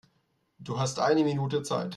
Du hast eine Minute Zeit.